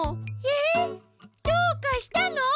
えっどうかしたの？